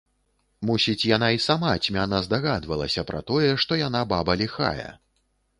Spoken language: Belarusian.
Мусіць, яна і сама цьмяна здагадвалася пра тое, што яна баба ліхая.